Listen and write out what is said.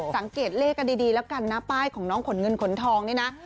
สังเกตเลขกันดีแล้วกันนะป้ายของน้องขนเงินขนทองนี่นะ